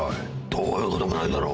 どういうこともないだろ。